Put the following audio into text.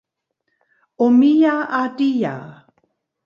Omiya Ardija